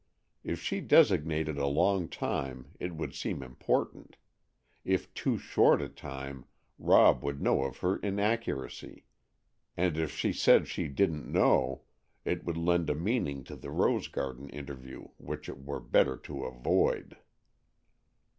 If she designated a long time it would seem important. If too short a time, Rob would know of her inaccuracy. And if she said she didn't know, it would lend a meaning to the rose garden interview which it were better to avoid.